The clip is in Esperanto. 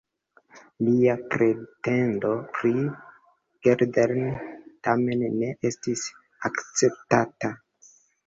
Lia pretendo pri Geldern tamen ne estis akceptata.